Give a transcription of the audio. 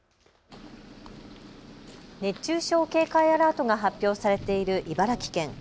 熱中症警戒アラートが発表されている茨城県。